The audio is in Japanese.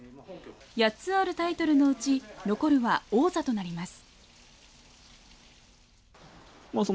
８つあるタイトルのうち残るは王座となります。